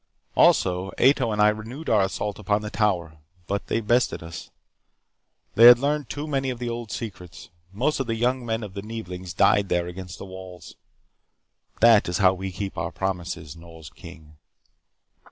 "Also, Ato and I renewed our assault upon the Tower. But they bested us. They had learned too many of the old secrets. Most of the young men of the Neeblings died there against the walls. That is how we keep our promises, Nors King.